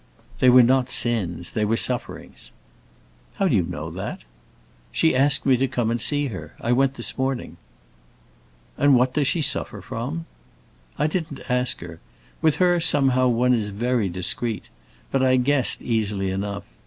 "They were not sins; they were sufferings." "How do you know that?" "She asked me to come and see her; I went this morning." "And what does she suffer from?" "I didn't ask her. With her, somehow, one is very discreet. But I guessed, easily enough.